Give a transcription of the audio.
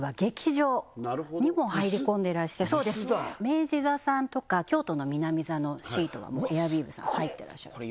明治座さんとか京都の南座のシートはエアウィーヴさん入ってらっしゃいます